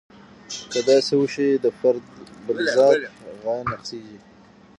که داسې وشي د فرد بالذات غایه نقضیږي.